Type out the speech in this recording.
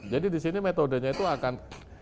jadi di sini metodenya itu akan